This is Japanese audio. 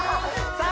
さあ